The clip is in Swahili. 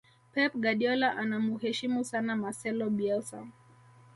pep guardiola anamuheshimu sana marcelo bielsa